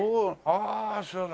ああそうだ。